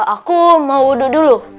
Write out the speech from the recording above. aku mau duduk dulu